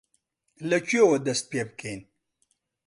لەکوێوە دەست پێ بکەین؟